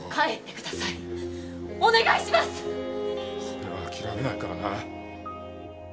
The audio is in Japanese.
俺は諦めないからな。